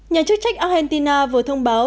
nhà chức trách argentina vừa thông báo